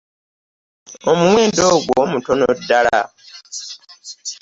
Omuwendo ogwo mutono ddala.